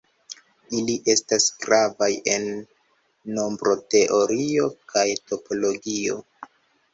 Ili estas gravaj en nombroteorio kaj topologio.